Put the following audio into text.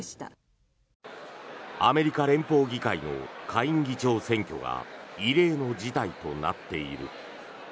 アメリカ連邦議会の下院議長選挙が異例の事態となっている。